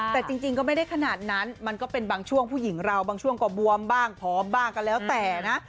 แต่จริงก็ไม่ได้ขนาดนั้นมันก็เป็นบางช่วงผู้หญิงเราบางช่วงก็บวมบ้างผอมบ้างก็แล้วแต่นะ